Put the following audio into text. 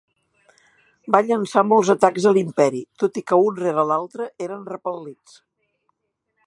Va llançar molts atacs a l'imperi, tot i que un rere l'altre eren repel·lits.